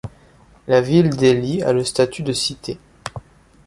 La ville d'Ely a le statut de cité.